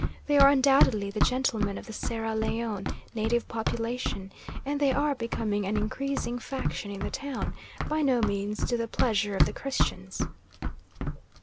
They are undoubtedly the gentlemen of the Sierra Leone native population, and they are becoming an increasing faction in the town, by no means to the pleasure of the Christians.